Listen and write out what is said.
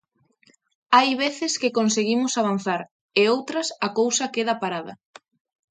Hai veces que conseguimos avanzar, e outras, a cousa queda parada.